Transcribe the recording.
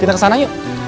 kita kesana yuk